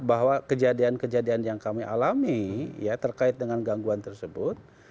bahwa kejadian kejadian yang kami alami ya terkait dengan gangguan tersebut